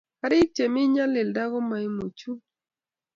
karik chemii nyalilda komaimu chuu